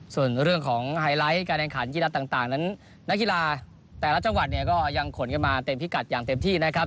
ส่วนเรื่องของไฮไลท์การแข่งขันกีฬาต่างนั้นนักกีฬาแต่ละจังหวัดเนี่ยก็ยังขนกันมาเต็มพิกัดอย่างเต็มที่นะครับ